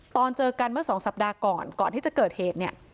ตอนเจอกันเมื่อสองสัปดาห์ก่อนก่อนที่จะเกิดเหตุเนี่ย